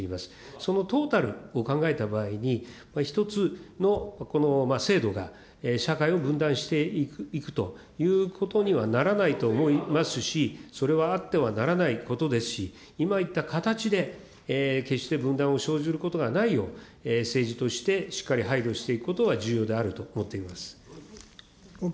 そのトータルを考えた場合に、１つのこの制度が、社会を分断していくということにはならないと思いますし、それはあってはならないことですし、今言った形で決して分断を生じることがないよう、政治としてしっかり配慮していくことは重要であると思っています。